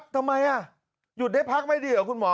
ทำไมหยุดได้พักไม่ดีเหรอคุณหมอ